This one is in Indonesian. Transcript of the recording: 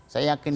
saya yakin dia